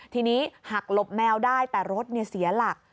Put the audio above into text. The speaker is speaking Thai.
ทีนี้หักหลบแมวได้แต่รถเสียหลัก